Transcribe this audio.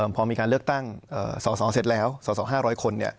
พอมีการเลือกตั้งสอสอเสร็จแล้วสส๕๐๐คน